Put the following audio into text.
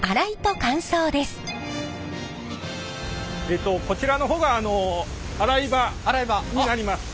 えっとこちらの方が洗い場になります。